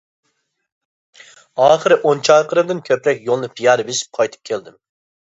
ئاخىرى ئون چاقىرىمدىن كۆپرەك يولنى پىيادە بېسىپ قايتىپ كەلدىم.